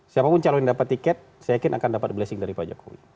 siapapun calon yang dapat tiket saya yakin akan dapat blessing dari pak jokowi